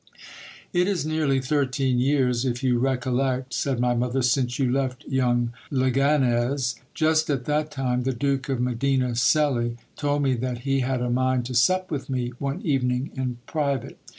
It is nearly thirteen years, if you recollect, said my mother, since you left young Leganez. Just at that time, the Duke of Medina Celi told me that he had a mind to sup with me one evening in private.